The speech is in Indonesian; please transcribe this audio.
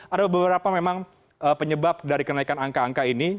ada beberapa memang penyebab dari kenaikan angka angka ini